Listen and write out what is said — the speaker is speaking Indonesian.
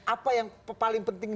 apa yang paling penting